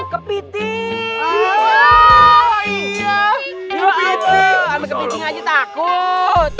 kepiting aja takut